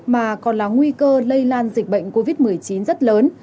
mà còn là nguy cơ lây lan dịch bệnh covid một mươi chín rất lớn